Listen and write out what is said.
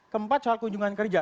keempat soal kunjungan kerja